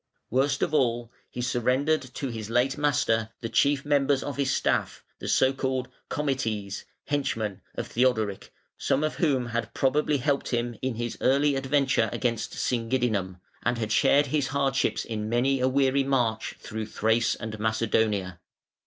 Worst of all, he surrendered to his late master the chief members of his staff the so called comites (henchmen) of Theodoric some of whom had probably helped him in his early adventure against Singidunum, and had shared his hardships in many a weary march through Thrace and Macedonia.